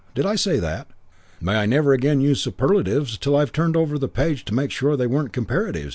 Did I say that? May I never again use superlatives till I've turned over the page to make sure they weren't comparatives.